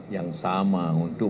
yang sama untuk